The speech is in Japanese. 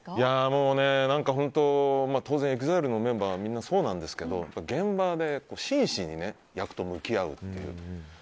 もう、何か当然ＥＸＩＬＥのメンバーはみんなそうですが現場で真摯に役と向き合うっていう。